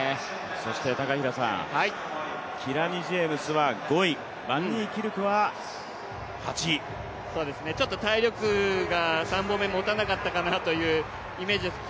そして、キラニ・ジェームスは５位、バンニーキルクは８位、ちょっと体力が３本目、もたなかったかなというイメージですね。